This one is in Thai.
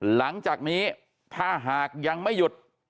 หลังจากนี้ถ้าหากยังไม่หยุด